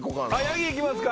ヤギいきますか。